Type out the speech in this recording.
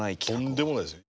とんでもないですよ。